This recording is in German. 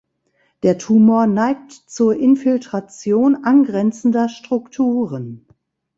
Der Tumor neigt zur Infiltration angrenzender Strukturen.